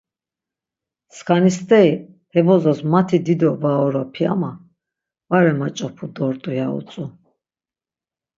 Skani steri he bozos mati dido baoropi ama var emaç̌opu dort̆u ya utzu.